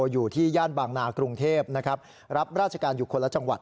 อยู่ที่ย่านบางนากรุงเทพนะครับรับราชการอยู่คนละจังหวัด